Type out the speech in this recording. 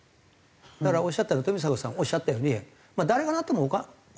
だからおっしゃったように富坂さんがおっしゃったように「誰がなっても同じかな」